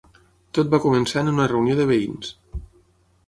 Tot va començar en una reunió de veïns.